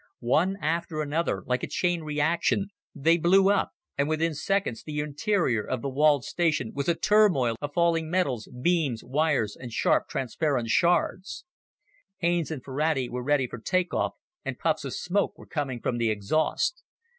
One after another, like a chain reaction, they blew up, and within seconds the interior of the walled station was a turmoil of falling metals, beams, wires, and sharp transparent shards. Haines and Ferrati were ready for take off and puffs of smoke were coming from the exhaust.